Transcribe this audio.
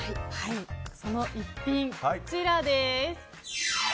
その逸品、こちらです。